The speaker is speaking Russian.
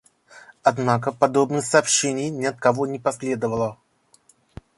Однако подобных сообщений ни от кого не последовало.